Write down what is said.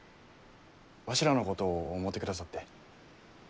わしらのことを思うてくださって。